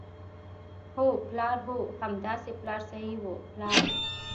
هو، پلار، هو همداسې پلار صحیح وو، پلار.